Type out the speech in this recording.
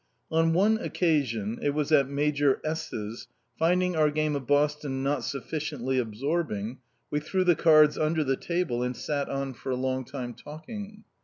On one occasion it was at Major S 's finding our game of Boston not sufficiently absorbing, we threw the cards under the table and sat on for a long time, talking.